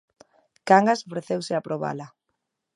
Cangas ofreceuse a probala.